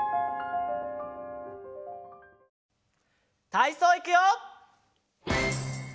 たいそういくよ！